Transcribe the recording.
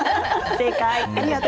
正解。